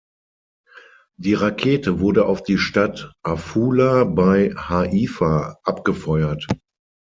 Die Rakete wurde auf die Stadt Afula bei Haifa abgefeuert.